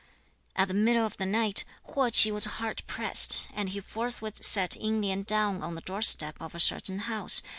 About the middle of the night, Huo Ch'i was hard pressed, and he forthwith set Ying Lien down on the doorstep of a certain house.